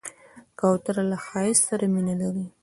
کوتره له ښایست سره مینه لري.